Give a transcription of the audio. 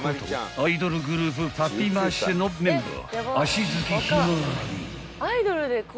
アイドルグループパピマシェのメンバー］